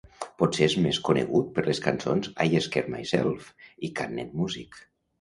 Potser és més conegut per les cançons "I Scare Myself" i "Canned Music".